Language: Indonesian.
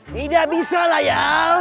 tidak bisa lah ya